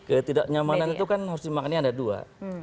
ketidaknyamanan itu kan harus dimakannya ada dua